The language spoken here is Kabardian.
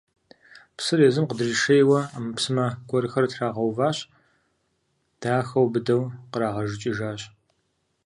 Псыр езым къыдришейуэ ӏэмэпсымэ гуэрхэр трагъэуващ, дахэу, быдэу кърагъэжыкӏыжащ.